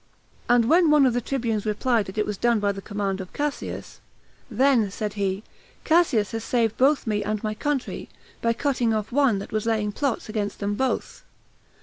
And when one of the tribunes replied that it was done by the command of Cassius, "Then," said he, "Cassius hath saved both me and my country, by cutting off one that was laying plots against them both."